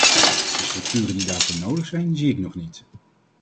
De structuren die daarvoor nodig zijn, zie ik nog niet.